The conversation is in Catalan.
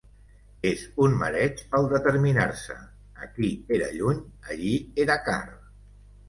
És un mareig el determinar-se. Aquí era lluny, allí era car